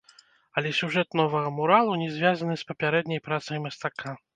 Але сюжэт новага муралу не звязаны з папярэдняй працай мастака.